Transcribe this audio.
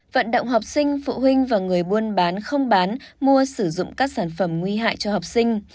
vận động học sinh phụ huynh và người buôn bán không bán mua sử dụng các sản phẩm nguy hại cho học sinh